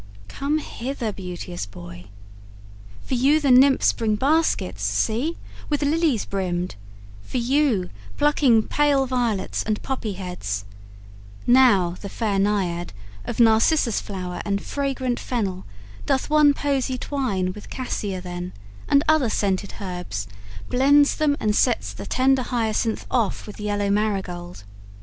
Come hither, beauteous boy; for you the Nymphs Bring baskets, see, with lilies brimmed; for you, Plucking pale violets and poppy heads, Now the fair Naiad, of narcissus flower And fragrant fennel, doth one posy twine With cassia then, and other scented herbs, Blends them, and sets the tender hyacinth off With yellow marigold.